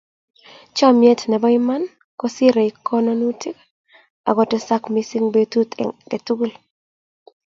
Chomyeet nebo iman kosiirei konokutik ak kotesak mising betut age tugul